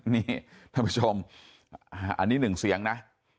นี่ท่านผู้ชมอันนี้หนึ่งเสียงนะ